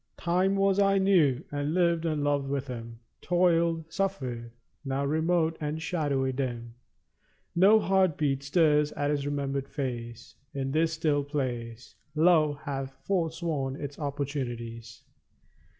Time was I knew, and lived and loved with him; Toiled, suffered. Now, remote and shadowy, dim, No heartbeat stirs at his remembered face. In this still place Love hath forsworn its opportunities.